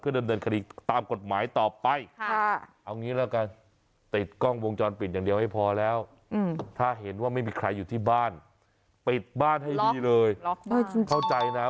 เพื่อเดินคดีตามกฎหมายต่อไป